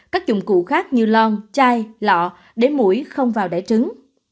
các dụng cụ khác như lon chai lọ để mũi không vào đẻ trứng